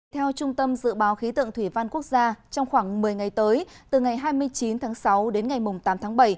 theo trung tâm dự báo khí tượng thủy văn quốc gia trong khoảng một mươi ngày tới từ ngày hai mươi chín tháng sáu đến ngày tám tháng bảy